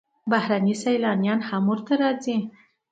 بهرني سیلانیان هم ورته راځي.